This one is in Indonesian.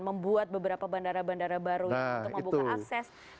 membuat beberapa bandara bandara baru ini untuk membuka akses